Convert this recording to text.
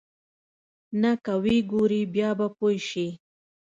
نه که ويې وګورې بيا به پوى شې.